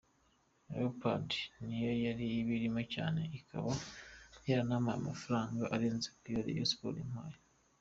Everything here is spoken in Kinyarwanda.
Leopards niyo yari ibirimo cyane ikaba yanampaga amafaranga arenze ayo Rayon Sports yampaye.